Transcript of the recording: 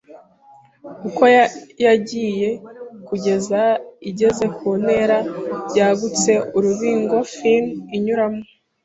uko yagiye, kugeza igeze ku ntera yagutse, urubingo fen, inyuramo